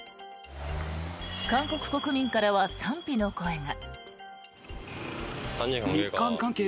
韓国国民からは賛否の声が。